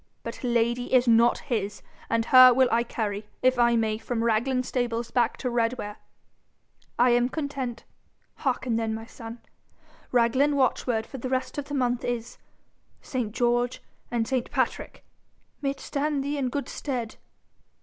But Lady is not his, and her will I carry, if I may, from Raglan stables back to Redware.' 'I am content. Hearken then, my son. Raglan watchword for the rest of the month is ST. GEORGE AND ST. PATRICK! May it stand thee in good stead.'